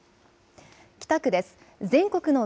北区です。